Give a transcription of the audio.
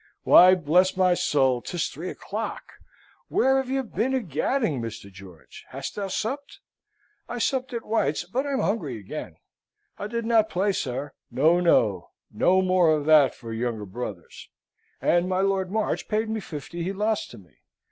Why, bless my soul, 'tis three o'clock! Where have you been a gadding, Mr. George? Hast thou supped? I supped at White's, but I'm hungry again. I did not play, sir, no, no; no more of that for younger brothers! And my Lord March paid me fifty he lost to me.